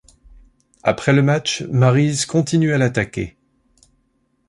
Après le match Maryse continue à l'attaquer.